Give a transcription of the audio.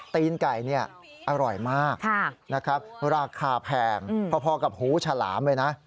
ตีนไก่เนี่ยอร่อยมากนะครับราคาแพงพอกับหูฉลามเลยนะ